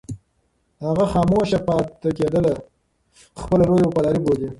هغه خاموشه پاتې کېدل خپله لویه وفاداري بولي.